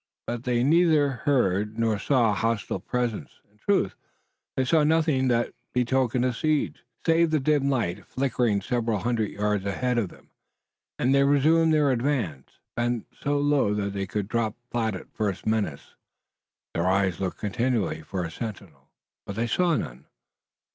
But they neither heard nor saw a hostile presence. In truth, they saw nothing that betokened a siege, save the dim light flickering several hundred yards ahead of them, and they resumed their advance, bent so low that they could drop flat at the first menace. Their eyes looked continually for a sentinel, but they saw none.